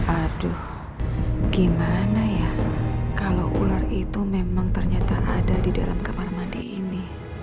aduh gimana ya kalau ular itu memang ternyata ada di dalam kamar mandi ini